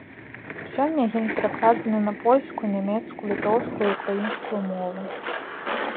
Сёння гімн перакладзены на польскую, нямецкую, літоўскую і ўкраінскую мовы.